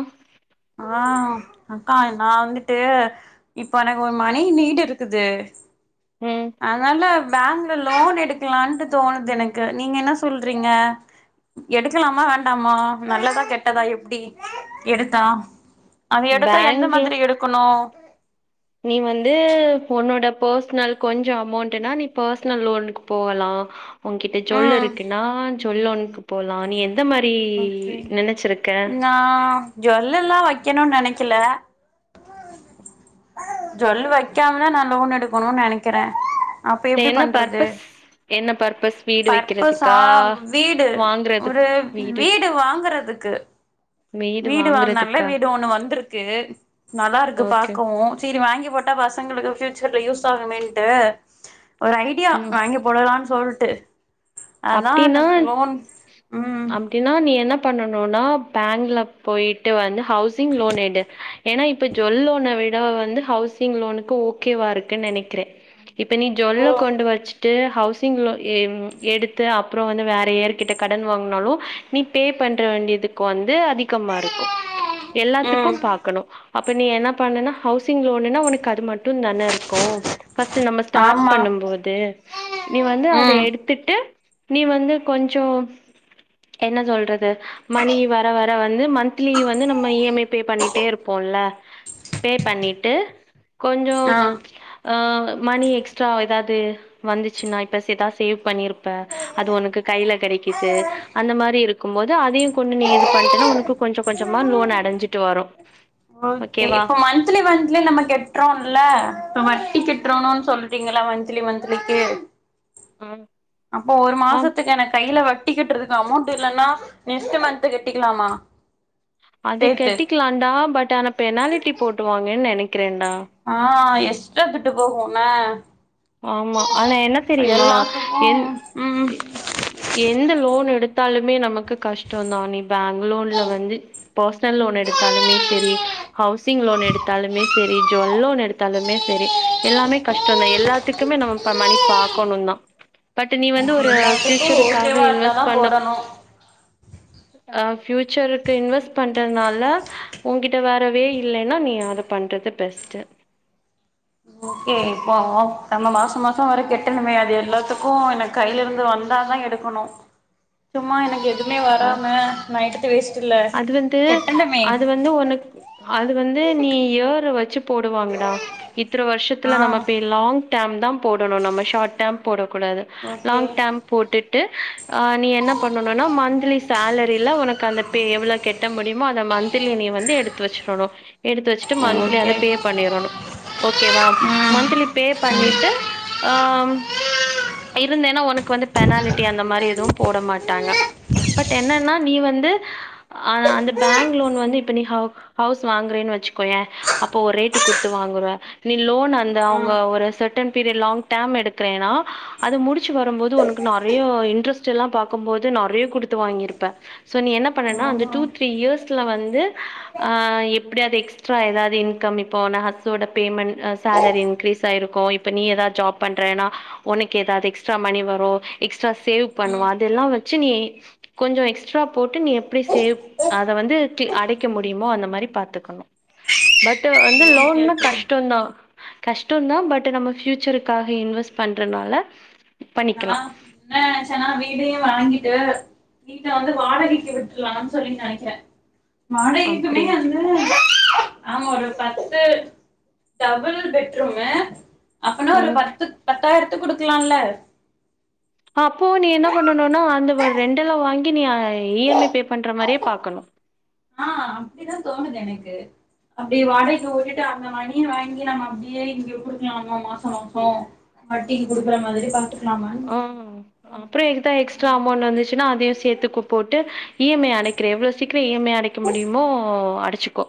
ஆ ஆ அக்கா நா வந்துட்டு இப்ப எனக்கு ஒரு மணி நீடட்ருக்குது ம் அதனால பேங்க்ல லோன் எடுக்கலான்ட்டு தோணுது எனக்கு நீங்க என்ன சொல்றீங்க எடுக்கலாமா வேண்டாமா நல்லதா கெட்டதா எப்பிடி எடுத்தா அத எடுத்தா எந்த பேங்க்ல மாதிரி எடுக்கணு நீ வந்து உன்னோட பர்சனல் கொஞ்சோ அமௌண்ட்னா நீ பர்சனல் லோனுக்கு போகலா உங்கிட்ட ஜுவல் ம் இருக்குன்னா ஜோல் லோன்க்கு போலா நீ எந்த மாரி ஓகே நெனச்சிருக்க நா ஜுவல்லல்லா வைக்கணுன்னு நெனைக்கல ஜுவல் வைக்காமதா நா லோன் எடுக்கணுன் நெனைக்கிறே அப்ப இல்ல எப்பிடி என்ன பண்றது பர்பஸ் என்ன பர்பஸ் வீடு சற்பசா வைக்கிறதுக்கா வீடு ஒரு வீடு வாங்கறதுக்கு வீடு வாங்குனல்ல வீடு ஒண்ணு வந்துருக்கு நல்லாருக்கு ஓகே பாக்கவு செரி வாங்கி போட்டா பசங்களுக்கு ஃபியூச்சர்ல யூஸ் ஆகுமென்ட்டு ஒரு ஐடியா ம் வாங்கி போடலான்னு சொல்ட்டு அதா அப்டின்னா எனக்கு லோன் ம் அப்டின்னா நீ என்ன பண்ணனுனா பேங்க்ல போயிட்டு வந்து ஹவுசிங் லோன் எடு ஏன்னா இப்ப ஜுவல் லோன விட வந்து ஹவுசிங் லோனுக்கு ஓகேவா இருக்குன் நெனைக்கிறே இப்போ நீ ஜோல்ல ஓ கொண்டு வச்சிட்டு ஹவுசிங் லோ ஏ எடுத்து அப்புறோ வந்து வேற ஏர்கிட்ட கடன் வாங்னாலு நீ பே பண்ற வேண்டியதுக் கு வந்து அதிகமாருக்கு எல்லாத்துக்கு ம் பாக்கணு அப்ப நீ என்ன பண்ணன்னா ஹவுசிங் லோனுன்னா உனக்கு அது மட்டு தானருக்கு ஃபர்ஸ்ட் நம்ம ஸ்டார்ட் ஆமா பண்ணும் போது நீ வந்து அத ம் எடுத் ட்டு நீ வந்து கொஞ்சோ என்ன சொல்றது மணி வர வர வந்து மன்த்லி வந்து நம்ம இ எம் ஐ பே பண்ணிட்டே இருப்போல்ல பே பண்ணிட்டு கொஞ்சோ அ மணி எக்ஸ்ட்ரா ஏதாவது வந்துச்சுன்னா இப்ப சே ஏதாவது சேவ் பண்ணியிருப் ப அது உனக்கு கையில கடைக்கிது அந்த மாரி இருக் கும் போது அதையு கொண்டு நீ இது பண்டனா உனக்கு கொஞ்ச கொஞ்சமா லோன் ஆ அடைஞ்சிட்டு வரு ஓகே ஓகேவா இப்போ மந்த்லி மந்த்லி நம்ம கெட்டுறோல்ல இப்ப வட்டி ம் கெட்டுறோ சொல் ப்பீங்களா மந்த்லி மந்த்லிக்கு ம் அப்போ ஒரு மாசத்துக்கு எனக் கையில வட்டி கட்டுறதுக்கு அமௌண்ட் இல்லன்னா நெக்ஸ்ட் மந்த் கெட்டிக்கலாமா அது சேத்து கட்டிக்கலான்டா பட் ஆனா பெனாலிட்டி போட்டுவாங்கன்னு நெனைக்கிறேன்டா ஆ எக்ஷ்ட்ரா துட்டு போகுன்ன ஆமா ஆனா என்ன தெரியுமா எல்லாத்துக்கு என் ம் எ எந்த லோன் எடுத்தாலுமே நமக்கு கஷ்டோ தா நீ பேங்க் லோன்ல வந்து பர்ஸ்னல் லோன் எடுத்தாலுமே செரி ஹவுசிங் லோன் எடுத்தாலுமே செரி ஜுல் லோன் எடுத்தாலுமே செரி எல்லாமே கஷ்டோ தா எல்லாத் துக்குமே நம்மப்ப மணி பாக்கணு தா பட் நீ வந்து ஒரு எல்லாத்துக்கு ஃபியூச்சருக்காக ஓகேவா இருந்தாதா இன்வெஸ்ட் பண்ண போடணு ஆ ஃபியூச்சருக்கு இன்வெஸ்ட் பண்றதுனால உங்கிட்ட வேறவே இல்லேன்னா நீ அத பண்றது பெஸ்ட்டு ஓகே இப்போ நம்ம மாசோ மாசோ வேற கெட்டணுமே அது எல்லாத்துக்கு எனக் கையிலருந்து வந்தாதா எடுக் கணு சும்மா எனக்கு எதுவுமே அ வராம நைட்டு வேஸ்ட்ல்ல அது வந்து கெட்டணுமே அது வந்து உனு அது வந்து நீ இயற வச்சு போடுவாங்கடா இத்தன ஆ வருஷத்துல நம்ம போய் லாங் டெர்ம் தா போடணு நம்ம ஷார்ட் டெர்ம் போடக்கூடாது ஓகே லாங் டெர்ம் போட்டுட்டு அ நீ என்ன பண்ணனுனா மந்த்லி சேலரில உனக்கு அந்த பே எவ்ளோ கெ ட்ட முடியுமோ அத மந்த்லி நீ வந்து எடுத்து வச்சுறனு எடுத்து வச்சட்டு மந்த்லி ஓகே அத பே பண்ணிறணு ஓகேவா ம் மந்த்லி பே பண்ணிட்டு அ இருந்தன்னா உனக்கு வந்து பெனாலிட்டி அந்த மாரி எதுவு போட மாட்டாங்க பட் என்னனா நீ வந்து அந்த பேங்க் லோன் வந்து இப்ப நீ ஹவுஸ் வாங்குறன் வச்சுக்கோயே அப்போ ஒரு ரேட்டு குடுத்து வாங்குவ நீ லோன் அந்த அவங்க ம் ஒரு செர்டன் பீரியட் லாங் டெர்ம் எடுக்குறேன்னா அதை முடிச்சு வரும்போது உனக்கு நெறய இன்ட்ரெஸ்ட் எல்லா பாக்குபோது நெறய குடுத்து வாங்கிருப்ப சோ நீ என்ன பண்ணனா அந்த ஆமா டூ த்ரீ இயர்ஸ்ல வந்து ஆ எப்டி அது எக்ஸ்ட்ரா எதாவது இன்கம் இப்போ நாசோட பேமெண்ட் சேலரி இன்க்ரீஸ் ஆய்ருக்கு நீ எதாவது ஜாப் பண்றன்னா உனக்கு எதாவது எக்ஸ்ட்ரா மணி வரு எக்ஸ்ட்ரா சேவ் பண்ணுவ ம் அதெல்லா வச்சு நீ கொஞ்சோ எக்ஸ்ட்ரா போட்டு நீ எப்டி சேவ் அத வந்து அடைக்க முடியுமோ அந்த மாரி பாத்துக்கணு பட் வந்து ஓகே லோன்னா ஓகே கஷ்டந்தா கஷ்ட தா பட் நம்ம ஃபியூச்சருக்காக இன்வெஸ்ட் பண்றனால நா பண்ணிக்கலா என்ன நெனச்சன்னா வீடே வாங்கிட்டு வீட்ட வந்து வாடகைக்கு விட்ருலான் சொல்லி நெனைக்கிற அப்டியா ஆமா ஒரு பத்து டபுள் பெட்ரூமு ம் பத்தாயிரத்துக் குடுக்கலால அப்போ நீ என்ன பண்ணணுனா அந்த ஒரு ரெண்டல வாங்கி நீ இ எம் ஐ பே பண்ற மாரியே பாக்கணு ஆ அப்டிதா தோணுது எனக்கு அப்டியே வாடகைக்கு உட்டுட்டு அந்த மணிய வாங்கி நம்ம அப்டியே இங்க குடுக்கலாமோ மாச மாச வட்டிக்கு குடுக்குற ம். மாரி பாத்துக்கலாமான் ஆ அப்ற எங்குட்டா எக்ஸ்ட்ரா அமௌண்ட் வந்துச்சுன்னா அதையு சேத்துக்கு போட்டு இ எம் ஐ அடைக் அப்ற எவ்ளோ சீக்கிர இஎம்ஐ அடைக்க முடியுமோ அடச்சுக்கோ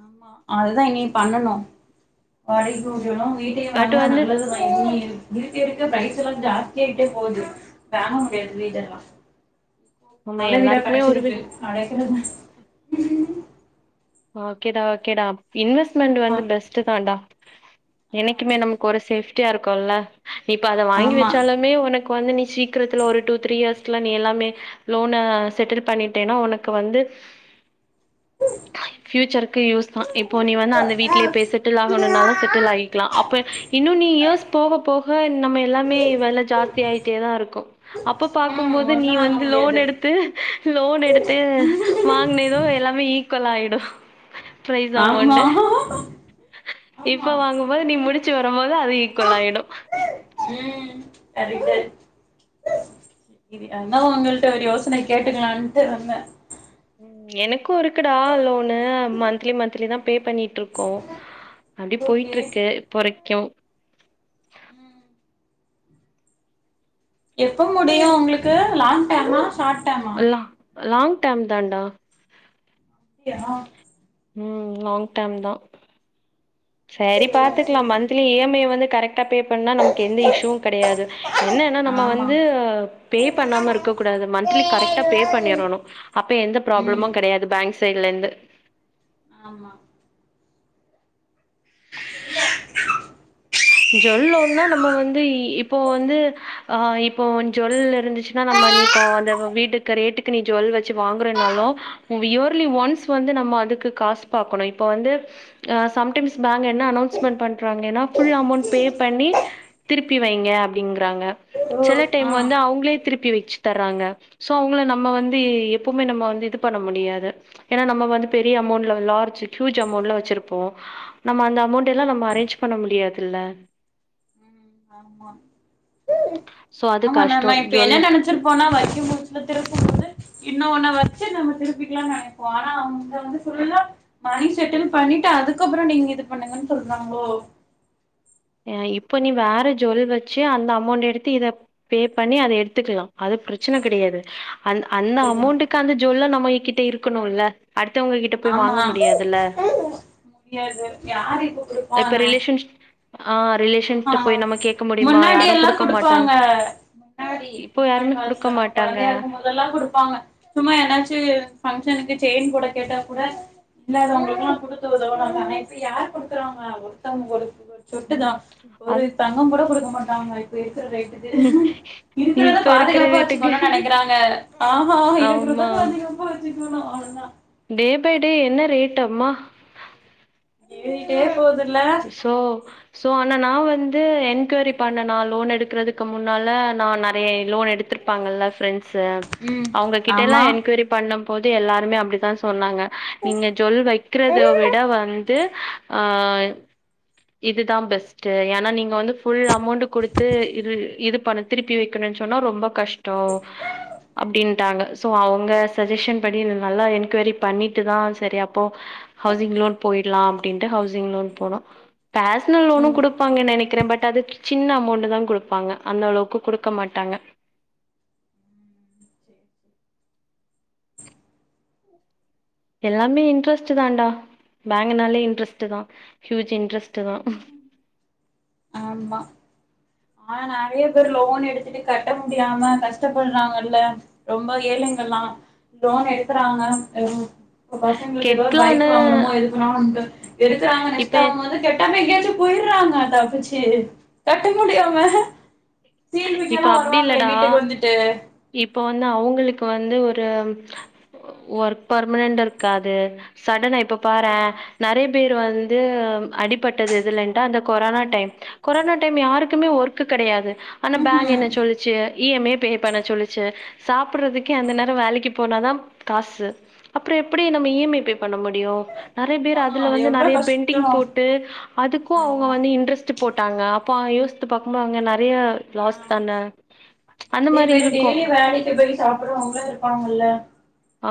ஆமா அதுதா இனி பண்ணனு வாடகைக்கு உடனு வீட்டயு பட் வாங்குனா வந்து நல்லது இன்னு இருக்க இருக்க பிரைஸ் எல்லா ஜாஸ்தியா ஆயிட்டே போது வாங்க முடியாது வீடெல்லா நம்ம நல்ல வீடா எல்லாருக்குமே ஒரு வி கெடச்சிருக்கு அடைக்கனு பாஸ் ஓகேடா ஓகேடா இன்வெஸ்ட்மென்ட் ஆமா வந்து பெஸ்ட் தான்டா ஆ என்னைக்குமே நமக்கு சரி ஒரு சரி சேஃப்டியா இருக்குல்ல இப்ப அத வாங்கி ஆமா வச்சாலு உன்னயே உனக்கு வந்து நீ சீக்கிரத்துல ஒரு டூ த்ரீ இயர்ஸ்ல நீ எல்லாமே லோன செட்டில் பண்ணிட்டேன்னா உனக்கு வந்து ஃபியூச்சருக்கு யூஸ்தா இப்போ நீ வந்து அந்த வீட்லயே போய் செ செட்டில் ஆகணுனாலு செட்டில் ஆகிக்லா அப்ப இன்னொன் நீ இயர்ஸ் போக போக நம்ம எல்லாமே வெல ஜாஸ்தி ஆய் ட்டே தா இருக்கு அப்ப ம் பாக்குபோது நீ ஒண்ணு வாங்க வந்து லோன் முடியாது எடுத் து லோன் எடுத்து வாங்கினதும் எல்லாமே ஈக்குவல் ஆய்டு பிரைஸ் ஆமா அமௌண்டு ஆமா இப்ப வாங்கு போது நீ முடிச்சு வரு போது அது ஈக்குவல் ஆய்டு ம் அதுதல் இது ஏன்னா உங்கள்ட்ட ஒரு யோசனை கேட்டுக்கலான்ட்டு இருந்த ம் எனக்கும் இருக்குடா லோனு மந்த்தலி மந்தத்லி தான் பே பண்ணி ட்டு இருக்கோம் அப்டி ஓகே போயிட்டு இருக்கு பொறைக்கும் ம் எப்ப முடியும் உங்களுக்கு லாங் டேமா ஷார்ட் டேமா லா லாங் ட்டேம் தான்டா [unintelligible] ம் லாங் ட்டேம் தான் சேரி பாத்துக்லாம் மத்லி இ எம் ஐ வந்து கரெக்ட் யா பே பண்ணா நமக்கு எந்த இஷுவும் கெடயாது என்னன்னா நம்ம ஆமா வந்து டக் பே பண்ணாம இருக்கக்கூடாது மத்லி கரெக்டா பே பண்ணிடணும் அப்ப எந்த ம் ப்ராப்ளமும் கெடையாது பேங்க் சைட்ல இருந்து ஆமா இல்ல ஜொல் ஒன்னும் நம்ம வந்து இப்போ வந்து ஆ இப்போ ஜொல் இருந்துச்சுன்னா நம்ப ஆ அந்த வீட்டுக்கு ரேட்டுக்கு நீ ஜுவல் வெச்சு வாங்குறனாலும் இயர்லி ஒன்ஸ் வந்து நம்ம அதுக்கு காசு பாக்கணும் இப்ப வந்து சம் டைம்ஸ் பேங்க் என்ன அனௌன்ஸ்மெண்ட் பண்றாங்கன்னா ஃபுல் அமௌண்ட் பே பண்ணி திருப்பி வைங்க அப்டிங்றாங்க ஓ செல ஆ டைம் வந்து அவுங்ளே திருப்பி வெச்சு தர்றாங்க சோ அவுங்ள நம்ப வந்து எப்போமே நம்ப வந்து இது பண்ண முடியாது ஏன்னா நம்ம வந்து பெரிய அமௌண்ட்ல லார்ஜ் ஹியூஜ் அமௌண்ட்ல வெச்சிருப்போம் நம்ம அந்த ம் அமௌண்ட்டெல்லாம் நம்ம அரேஞ்ச் பண்ண முடியாது இல்ல ம் ஆமா சோ அது கஷ்டம் ஜொல்லும் எத்துட்டு போனா வெக்கமோது திருப்ப மோது இன்னோ ஒன்னு வெச்சு நம்ம திருப்பிக்கிலாம்னு நெனப்போம் ஆனா அங்க வந்து ஃபுல்லா மணி செட்டில் பண்ணிட்டு அதுக்கப்றோம் நீங்க இது பண்ணுங்கன் சொல்றாங்ளோ இப்ப நீ வேற ஜொல் வெச்சு அந்த அமௌண்ட் எடுத்து இத பே பண்ணி அத எடுத்துக்லாம் அது பிரச்சன கெடயாது அந் அந்த எடுத்துக்கலா அமௌண்ட்டுக்கு அந்த ஜொல்ல நம்ம கிட்ட இருக்கணுல்ல அடுத்தவங்க கிட்ட போய் ஆமா வாங்க முடியாதுல்ல முடியாது யாரு இப்ப இப்ப குடுப்பாங்க ரிலேஷன்ஸ் ஆ ரிலேஷன்ட்ட ஆஹா போய் நம்ம கேக்க முடியுமா முன்னாடி யாரும் எல்லா குடுக்க மாட்டங் குடுப்பாங்க முன்னாடி இப்ப யாருமே குடுக்க மாட்டாங்க அதெல்லாம் குடுப்பாங்க சும்மா ஏனாச்சு ஃபங்க்ஷனுக்கு செயின் போட கேட்டா கூட இல்லாதவங்களுக்லாம் குடுத்த உதவ வந்தாங்க இப்ப யார் குடுக்குறாங்க ஒருத்தவுங்க ஒரு சொட்டுதா ம் ஒரு அது தங்கம் கூட குடுக்க மாட்டாங்க இப்ப இருக்குற ரேட்டுக்கு இருக்குறத இப்ப இருக்கிற பாதுகாப்பா ரேட்டுக்கு வெச்சுக்கணும் நெனைக்கிறாங்க ஆமா இருக்றத ஆமா பாதுகாப்பா பாதுகாப்பா வெச்சக்குன அவ்லோதான் டே பை டே என்ன ரேட் அம்மா ஏரிட்டே போதுல்ல சோ சோ ஆனா நா வந்து என்கொய்ரி பண்ண நான் லோன் எடுக்குறதுக்கு முன்னால நான் நறை லோன் எடுத்து த்துருப்பாங்கல்ல ஃபிரெண்ட்ஸு ம் அவுங்ககிட்ட ஆமா எல்லாம் என்கவரி பண்ணும் போது எல்லாருமே அப்டித்தான் சொன்னாங்க நீங்க ஜொல் ஆ வெக்கிறத விட வந்து தத்து ஆ இதுதான் பெஸ்ட்டு என்னா நீங்க வந்து ஃபுல் அமௌண்ட்டு குடுத்து இது இது பண்ண திருப்பி வெக்கணும் சொன்னா ரொம்ப கஷ்டோ அப்டின்ட்டாங்க சோ அவுங்க சஜ்ஜஷன் படி நல்லா என்கொய்ரி பண்ணிட்டு தான் செரி அ போ ஹவ்சிங் லோன் போயிட்லா அப்டின்ட்டு ஹவ்சிங் லோன் போ ஓகே. பேஸ்னல் லோனும் ம் குடு ப்பாங்கன்னு நனக்கிறே பட் அது சின்ன அமௌண்ட்டு தான் குடுப்பாங்க அந்த அளவுக்கு குடுக்க மாட்டாங்க எல்லாமே இன்ட்ரஸ்ட் தான்டா பேங்குனாலே இன்ட்ரஸ்ட்டு தா ஹியூஜ் இன்ட்ரஸ்ட்டு தா ஆமா ஆ நறையா பேரு லோன் எடுத்துட்டு கட்ட முடியாம கஷ்டப்படுறாங்கல்ல ரொம்ப ஏழெங்க எல்லா லோன் எடுக்கறாங்க எது இப்ப பசங்களுக்கு எதோ ஒரு பைக் கெட்லான்னு வாங்கணுமோ எது ஆ வந்து எடுக்கறாங்க நஷ்ட இப்ப வரும்போது கெட்டாம எங்கயாச்சும் போய்ட்றாங்க தப்புச்சு கட்ட முடியாம சீல்விக்க இப்ப எல்லா அப்டி வருவாங்களே இல்லடா வீட்டுக்கு வந்துட்டு இப்போ வந்து அவ்ங்களுக்கு வந்து ஒரு வர்க் பர்மனன்ட் இருக்காது சடனா இப்ப பாறே அதுதா நறையா பேர் வந் து அடிப்பட்டது எதுலன்டு அந்த கொரோனா டைம் கொரோனா டைம் யாருக்குமே வர்க்கு கடையாது ஆனா பேங்க் ம்ஹூம் என்ன சொல்லுச்சு இ எம் ஏ பே பண்ண சொல்லுச்சு சாப்புட்றதுக்கே ஆமா அந்த நேரோ வேலெக்கி போனா தா காசு அப்பறொ எப்பிடி ம் நம்ம இ எம் ஐ பே பண்ண முடியு நறையா பேர் ஆஹா அதுல அது வந்து எவ்ளோ நறையா கஷ்டோ பெண்டிங் போட்டு அதுக்கும் அவ்ங்க ஆமா வந்து இன்ட்ரஸ்ட் போட்டாங்க அப்போ யோச்த்து பாக்கும்போ அவ்ங்க நறைய லாஸ் ஆ தான அந்த மாரி இருக்கு வேலெக்கி போய் சா ப்புட்ற அவங்களு இருப்பாங்கல்ல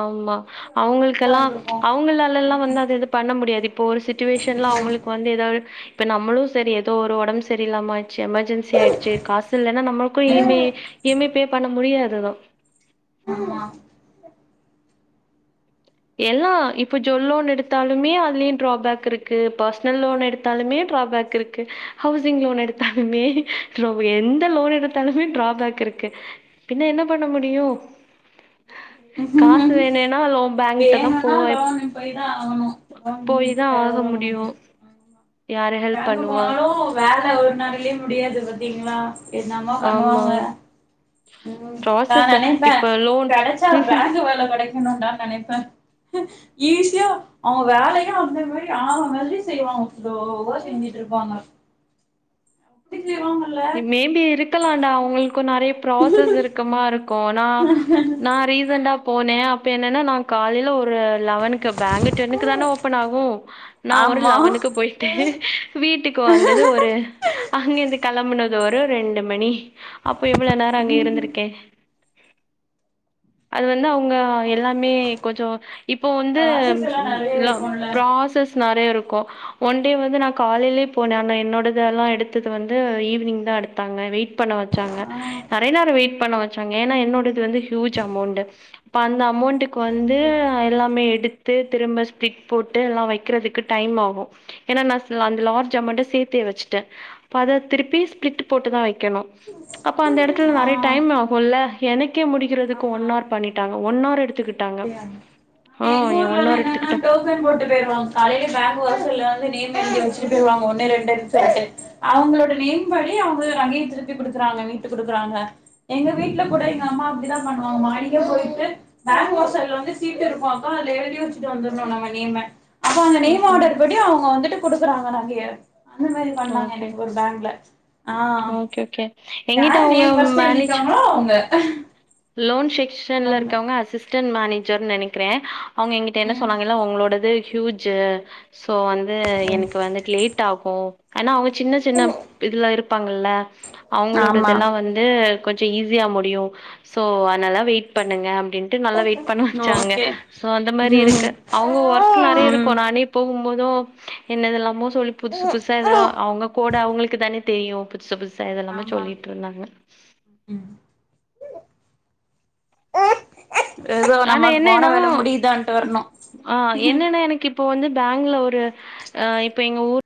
ஆமா அவங்களுக்குலா எவ்ளோ கஷ்டோ அவங்களுக்கெல்லா இருந்திருக்கு அவங்களால எல்லா வந்து ம் அது எது பண்ண முடியாது இப்போ ஒரு சி சிட்டிவேஷன்ல அவ்ங்களுக்கு வந்து எதாவ்து இப்ப நம்மளு செரி எதோ ஒரு ஒடம்பு செரில்லாம ஆய் டுச்சு எமர்ஜென்சி ஆயிடுச்சு காசு இல்லன்னா நம்மளுக்கு இ ம் யம் ம் ஏ இ எம் ஐ பே பண்ண முடியாதுதா ஆமா எல்லா இப்போ ஜொல் லோன் எடுத்தாலுமே அதுலயு ட்ராபேக் இருக்கு பர்சனல் லோன் எடுத்தாலுமே ட்ராபேக் இருக்கு ஹவ்சிங் லோன் எடுத்தாலுமே ரொம்ப எந் த லோன் எடுத்தாலுமே ட்ராபேக் இருக்கு பின்ன என்ன பண்ண முடியு காசு வேணென்னா லோம் பேங் ட்டதா போ வேணுனா ஆய் லோனுக்கு போய் தா ஆகணு லோன் போயி தா ஆக முடியு பேங்க்க போனாலு வேல ஒரு நாள்லெயே முடியாது பாத்தீங்களா என்னாம ஆமா பண்ணுவாங்க ம் நா ப்ராசஸ் நனைப்பே இப்ப லோன் கெடச்சா பேங்க்கு வேல கெடக்கெணுன்டான்னு நனைப்ப ஈஸியா அவன் வேலையே அந்தே மாரி ஆ மாதிரி செய்வாங்கோ போஷ் செஞ்சிட் இருப்பாங்க திக் செய்வாங்க மேபி இருக்கலான்டா அவங்களுக்கு நறையா ப்ராசஸ் இருக்கமா இரு க்கு நா நா ரீசண்டா போனே அப்ப என்னன்னா நா காலேல ஒரு லவனுக்கு பேங்கு டென்னுக்கு தான ஓபன் ஆகு நா ஒரு ஆமா லவனுக்கு போயட்டு வீட்டுக்கு வந்தது ஒரு அங்க இந்து களம்புனது ஒரு ரெண்டு மணி அப்போ எவ்ளோ நேரொ அங்க இருந்திருக்கே அது வந்து அவ்ங்க எல்லாமே கொஞ்சோ இப்போ வந்து கிளாஸஸ் எல்லா நெறைய லவ் இருக்குல்ல ப்ராசஸ் நெறைய இருக்கு ஒன்டே வந்து நா காலையிலயே போனே ஆனா என்னோடதெல்லா எடுத்துட்டு வந்து இது ஈவினிங் தா எடுத்தாங்க வெயிட் பண்ண வச்சாங்க ஆ நெறைய நேரம் வெயிட் பண்ண வச்சாங்க ஏன்னா என்னோடது வந்து ஹூஜ் அமௌண்ட் அப்ப அந்த அமௌண்டக்கு வந்து ஓகே எல்லாமே எடுத்து திரும்ப ஸ்ப்ளிட் போட்டு எல்லா வைக்கிறதுக்கு டைம் ஆகும் ஏன்னா நா அந்த லார்ஜ் அமௌன்ட் சேர்த்தே வச்சுட்டே அப்போ அத திருப்பி ஸ்ப்லிட் போட்டு தா வைக்கணு அப்ப அந்த இடத்துல ஆ நெறைய டைம் ஆகுல்ல எனக்கே முடி வைக்கிறதுக்கு ஆமா ஒன்னவர் பண்ணிட்டாங்க ஒன்னவர் எடுத்துக்கிட்டாங்க அப்டியாங்க ஆ ஆனா எங்க ஊர்லலா ஒன்னவர் என்னன்னா எடுத்துக்கிட்ட போட்டு போயவாங்க ஆல்ரெடி பேங்கந்து நீ வச்சுட்டு [unintelligible] போயவாங்க ஒண்ணு ரெண்டுன்ன சொல்லிட்டு அவங்களோட நேம் வழி அவங்க ரகைய திருப்பி குடுக்குறாங்க வீட்டு குடுக்குறாங்க எங்க வீட்ல கூட எங்க அம்மா அப்டிதா பண்ணுவாங்க மாடிக போயிட்டு மாட்டு வாசல்ல வந்து சீட் இருக்கு அக்கா அத எழுதி வச்சுட்டு வந்துருணு நம்ம நேம்ம அப்ப அந்த ம் நேம் ம் ஆர்டர் படி அவங்க வந்துட்டு குடுக்குறாங்க அங்கயே அந்த மாரி பண்ணாங்க ஓகே எனக்கு ஒரு பேங்க்ல ஆ ஓகே ஓகே எங்கிட்ட யாரு அவங்க நேம் ஃபர்ஸ்ட் மேனேஜ் எழுதிருக்காங்களோ அவங்க லோன் செக்க்ஷன்ல அவங்க இருக்கவங்க அசிஸ் அசிஸ்டன்மேனேஜர்னு நெனைக்கிறே அவங்க எங்கிட்ட என்ன ம் சொன்னாங்கன்னா உங்களோடது ஹூஜ் சோ வந்து எனக்கு வந்துட்டு லேட் ஆகு ஆனா அவங் சின்ன சின்ன இதெல்லா இருப்பாங்கல்ல அவங்களோட ஆமா இதெல்லா வந்து இது கொஞ்ச ஈஸியா முடியு சோ அதனால வெயிட் பண்ணங்க அப்டின் க்கு நல்லா வெயிட் பண்ண வச்சாங்க ஓகே அந்த மாரி ம் இருக்கு அவங்க ஒர்க் நெறைய ம் இருக்கு நானே போகும் போது என்னதெல்லாமோ சொல்லி புதுசு புதுசா அவங்க கோடு அவங்களுக்கு தானே தெரியு புதுசு புதுசா என்னல்லாம ஆமா சொல்லிட்டு இருந்தாங்க ம் ஏதோ ஆனா நம்மக்கு போன என்னன்னா வேலை முடியுதான்ட்டு வரணு ஆ என்னன்னா எனக்கு இப்போ வந்து பேங்கள ஒரு இப்போ எங்க ஊர்